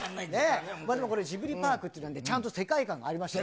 でもこれ、ジブリパークっていうのは、ちゃんと世界観がありまして、。